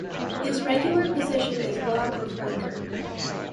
His regular position is lock or flanker.